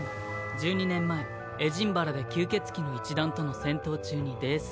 １２年前「乙女の城」で吸血鬼の一団との戦闘中に泥酔。